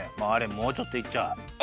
もうちょっといっちゃう。